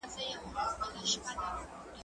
ايا ته سندري اورې!.